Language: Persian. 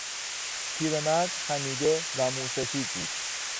پیرمرد خمیده و موسفید بود.